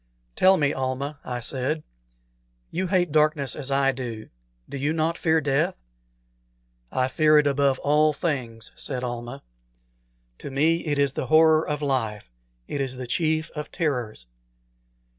"Tell me, Almah," I said "you hate darkness as I do do you not fear death?" "I fear it above all things," said Almah. "To me it is the horror of life; it is the chief of terrors."